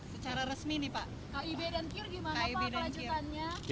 secara resmi nih pak kib dan kir gimana pak kelanjutannya